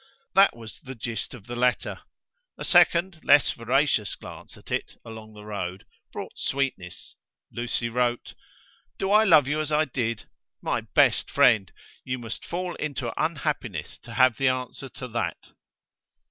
That was the gist of the letter. A second, less voracious, glance at it along the road brought sweetness: Lucy wrote: "Do I love you as I did? my best friend, you must fall into unhappiness to have the answer to that."